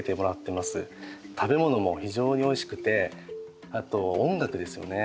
食べ物も非常においしくてあと音楽ですよね。